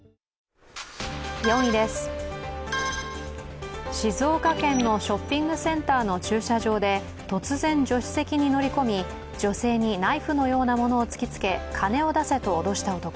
４位です、静岡県のショッピングセンターの駐車場で突然助手席に乗り込み女性にナイフのような物を突きつけ金を出せと脅した男。